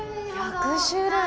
１００種類？